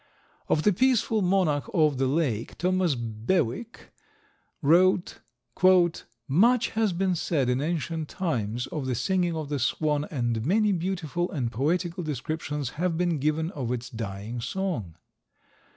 Of the "Peaceful Monarch of the Lake," Thomas Bewick wrote: "Much has been said, in ancient times, of the singing of the Swan, and many beautiful and poetical descriptions have been given of its dying song.